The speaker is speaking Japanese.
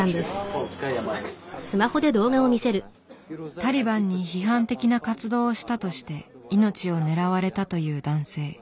タリバンに批判的な活動をしたとして命を狙われたという男性。